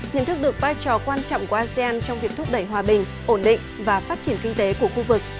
nhận thức được vai trò quan trọng của asean trong việc thúc đẩy hòa bình ổn định và phát triển kinh tế của khu vực